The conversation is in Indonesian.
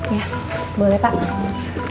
ya boleh pak